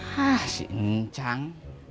hah si emang chang